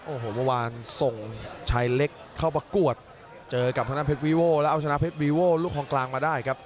โอ้โหเมื่อวานส่งชายเล็กเข้าประกวดเจอกับทางด้านเพชรวีโว่แล้วเอาชนะเพชรวีโว่ลูกคลองกลางมาได้ครับ